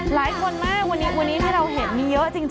หลายคนมาวันนี้ให้เราเห็นมีเยอะจริงค่ะ